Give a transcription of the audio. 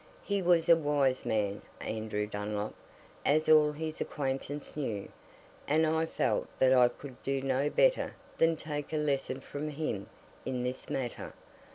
He was a wise man, Andrew Dunlop, as all his acquaintance knew, and I felt that I could do no better than take a lesson from him in this matter.